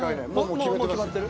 もう決まってる？